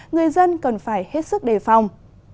người dân cần phải hết sức đề phòng